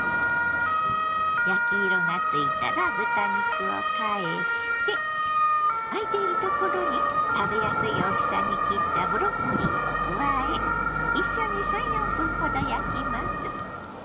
焼き色がついたら豚肉を返してあいているところに食べやすい大きさに切ったブロッコリーを加え一緒に３４分ほど焼きます。